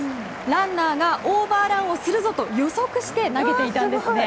ランナーがオーバーランをするぞと予測して投げていたんですね。